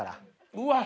うわっ